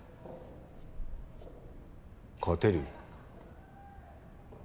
勝てるよ。